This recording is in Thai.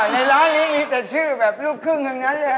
ในร้านนี้มีแต่ชื่อแบบลูกครึ่งทั้งนั้นเลย